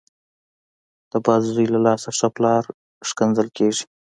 د بد زوی له لاسه ښه پلار کنځل کېږي .